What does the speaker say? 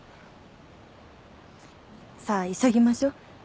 さあ急ぎましょう。